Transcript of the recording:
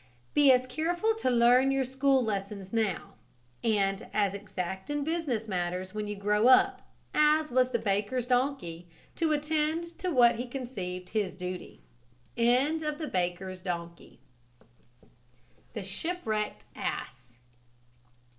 Be as careful to learn your school lessons now, and as exact in business matters when you grow up, as was the baker's donkey to attend to what he conceived his duty. THE SHIPWRECKED ASS.